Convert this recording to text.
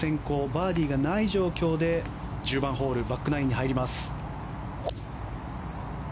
バーディーがない状況で１０番ホールバックナインに入ります。